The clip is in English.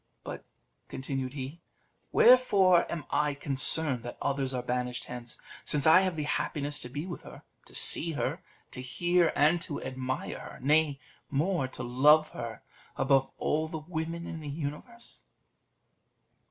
But," continued he, "wherefore am I concerned that others are banished hence, since I have the happiness to be with her, to see her, to hear and to admire her; nay more, to love her above all the women in the universe?"